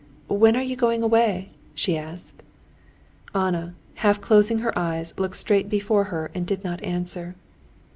"When are you going away?" she asked. Anna, half closing her eyes, looked straight before her and did not answer.